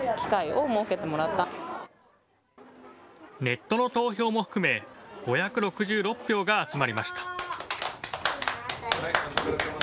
ネットの投票も含め、５６６票が集まりました。